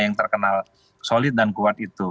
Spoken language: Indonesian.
yang terkenal solid dan kuat itu